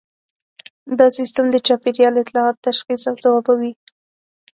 دا سیستم د چاپیریال اطلاعات تشخیص او ځوابوي